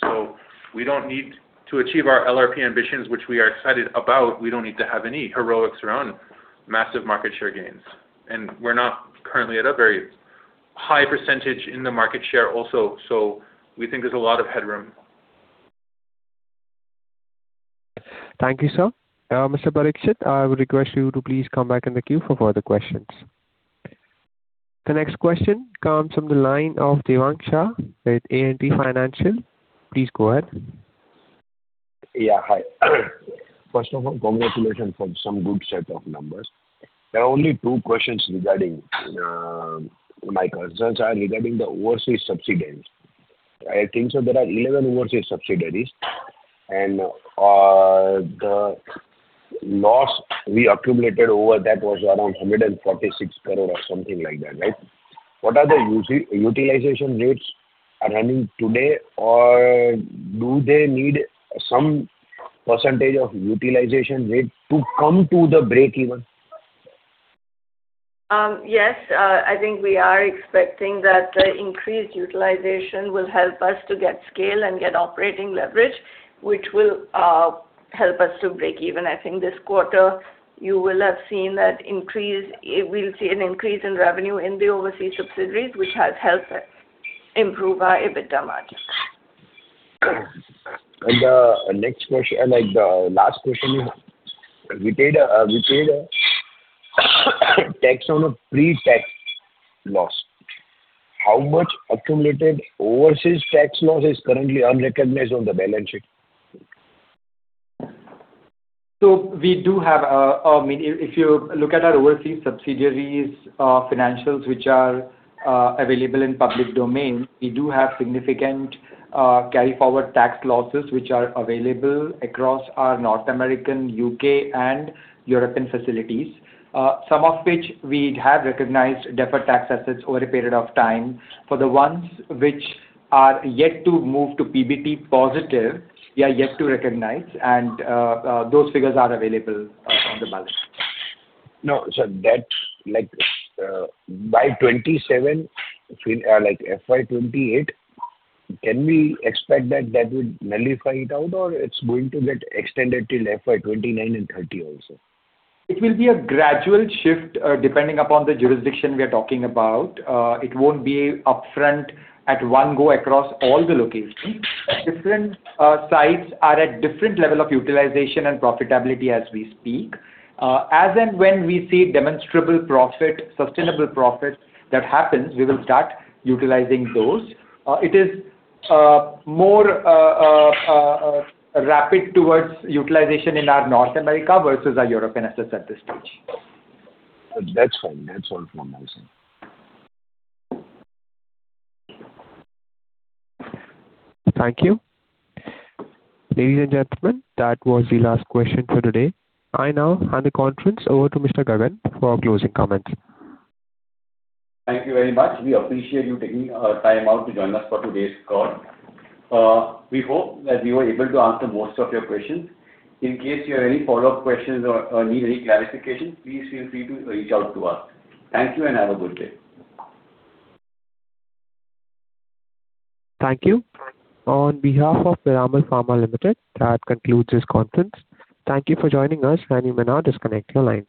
We don't need to achieve our LRP ambitions, which we are excited about. We don't need to have any heroics around massive market share gains. We're not currently at a very high percentage in the market share also. We think there's a lot of headroom. Thank you, sir. Mr. Parikshit, I would request you to please come back in the queue for further questions. The next question comes from the line of Devang Shah with ANT Financial. Please go ahead. Yeah, hi. First of all, congratulations on some good set of numbers. My concerns are regarding the overseas subsidiaries. I think so there are 11 overseas subsidiaries. The loss we accumulated over that was around 146 crore or something like that, right? What are the utilization rates are running today? Do they need some percentage of utilization rate to come to the breakeven? Yes, I think we are expecting that increased utilization will help us to get scale and get operating leverage, which will help us to break even. I think this quarter you will have seen that increase. We'll see an increase in revenue in the overseas subsidiaries, which has helped improve our EBITDA margin. The last question is, we paid a tax on a pre-tax loss. How much accumulated overseas tax loss is currently unrecognized on the balance sheet? We do have a If you look at our overseas subsidiaries' financials, which are available in public domain, we do have significant carry-forward tax losses, which are available across our North American, U.K., and European facilities. Some of which we have recognized deferred tax assets over a period of time. For the ones which are yet to move to PBT positive, we are yet to recognize, and those figures are available on the balance sheet. No. That, by 2027, FY 2028, can we expect that that would nullify it out or it's going to get extended till FY 2029 and 2030 also? It will be a gradual shift, depending upon the jurisdiction we are talking about. It won't be upfront at one go across all the locations. Different sites are at different level of utilization and profitability as we speak. As and when we see demonstrable profit, sustainable profit that happens, we will start utilizing those. It is more rapid towards utilization in our North America versus our European assets at this stage. That's fine. That's all from my side. Thank you. Ladies and gentlemen, that was the last question for today. I now hand the conference over to Mr. Gagan for our closing comments. Thank you very much. We appreciate you taking time out to join us for today's call. We hope that we were able to answer most of your questions. In case you have any follow-up questions or need any clarification, please feel free to reach out to us. Thank you and have a good day. Thank you. On behalf of Piramal Pharma Limited, that concludes this conference. Thank you for joining us and you may now disconnect your line.